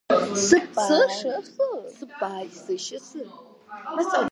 საბრალოა სიყვარული, კაცსა შეიქმს გულ-მოკლულად.